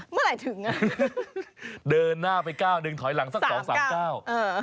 เมื่อไหร่ถึงอ่ะเดินหน้าไปก้าวหนึ่งถอยหลังสักสองสามเก้าเออ